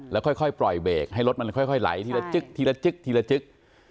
แล้วค่อยปล่อยเบรกให้รถมันค่อยไหลทีละจึ๊ก